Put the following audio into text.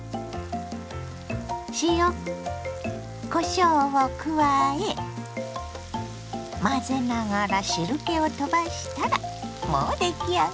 塩こしょうを加え混ぜながら汁けをとばしたらもう出来上がり。